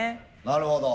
なるほど。